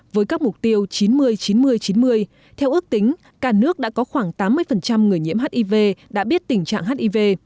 với các mục tiêu chín mươi chín mươi chín mươi theo ước tính cả nước đã có khoảng tám mươi người nhiễm hiv đã biết tình trạng hiv